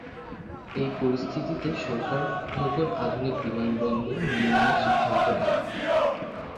এই পরিস্থিতিতে সরকার নতুন আধুনিক বিমানবন্দর নির্মানের সিদ্ধান্ত নেয়।